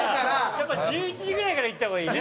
やっぱり１１時ぐらいから行った方がいいね。